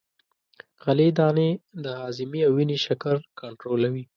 غلې دانې د هاضمې او وینې شکر کنترولوي.